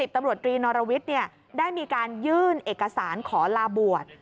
ตำรวจตรีนรวิทย์ได้มีการยื่นเอกสารขอลาบวช